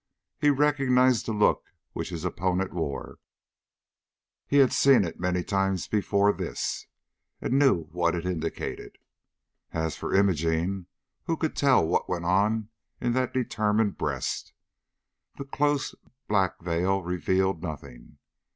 He recognized the look which his opponent wore; he had seen it many a time before this, and knew what it indicated. As for Imogene, who could tell what went on in that determined breast? The close black veil revealed nothing.